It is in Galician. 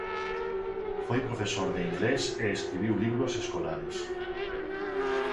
Foi profesor de inglés e escribiu libros escolares.